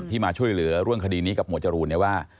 ที่มาช่วยเหลือร่วงคดีนี้กับหมวดจรูลเนี่ยว่า